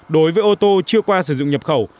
đối với ô tô chưa qua sử dụng nhập khẩu